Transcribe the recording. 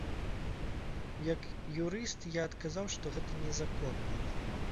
Як юрыст, я адказаў, што гэта незаконна.